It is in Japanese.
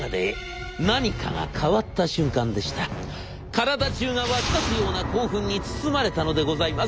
体じゅうが沸き立つような興奮に包まれたのでございます。